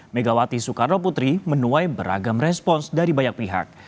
megawati soekarno putri menuai beragam respons dari banyak pihak